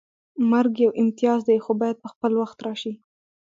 مرګ یو امتیاز دی خو باید په خپل وخت راشي